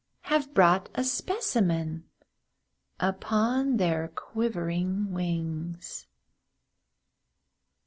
Have brought a specimen Upon their quivering wings.